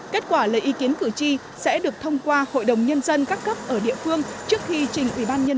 kết quả lấy ý kiến cử tri sẽ được thông qua hội đồng nhân dân các cấp ở địa phương trước khi trình ubnd tp vào ngày một mươi tháng một mươi